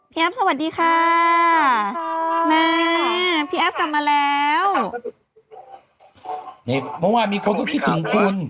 พี่แอฟสวัสดีค่ะสวัสดีค่ะพี่แอฟกลับมาแล้วเนี้ยเมื่อวานมีคนก็คิดถึงคุณ